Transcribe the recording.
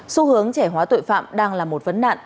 xu hướng trẻ hóa tội phạm đang là một vấn nạn